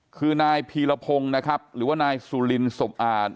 คือนายพีรพงศ์นะครับหรือว่านายสุลินสมอ่าน